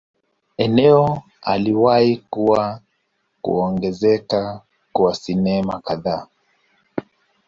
Eneo aliwahi kuwa kuongezeka kwa sinema kadhaa.